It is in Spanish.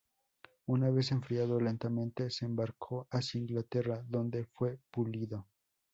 Una vez enfriado lentamente, se embarcó hacia Inglaterra, donde fue pulido.